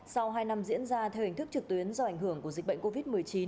sau hai năm diễn ra theo hình thức trực tuyến do ảnh hưởng của dịch bệnh covid một mươi chín